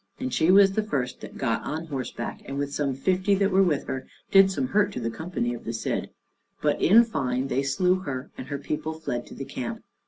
And she was the first that got on horseback, and with some fifty that were with her, did some hurt to the company of the Cid; but in fine they slew her, and her people fled to the camp.